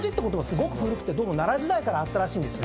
すごく古くて奈良時代からあったらしいです。